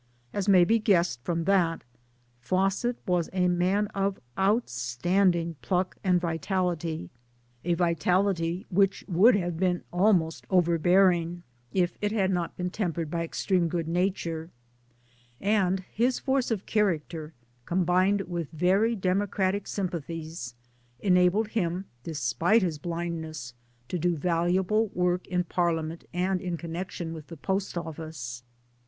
As may be guessed from that, Fawcett was a man of astounding pluck and vitality a vitality which would have been almost 214 MY DAYS AND DREAMS overbearing if it had not been tempered by extreme good nature and his force of character, combined with very democratic sympathies, enabled him despite his blindness to do valuable work in Parliament and in connection with the Post Office.